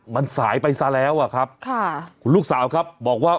มันสายไปซะแล้วอะครับค่ะคุณลูกสาวครับบอกว่า